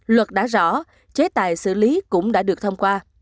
luật đã rõ chế tài xử lý cũng đã được thông qua